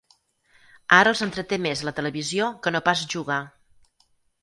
Ara els entreté més la televisió que no pas jugar.